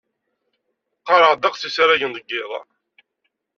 Qqareɣ ddeqs n yisragen deg iḍ.